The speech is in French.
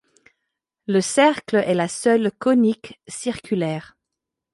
Le cercle est la seule conique circulaire.